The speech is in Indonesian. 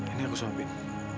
ini aku sombin